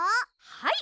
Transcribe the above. はい。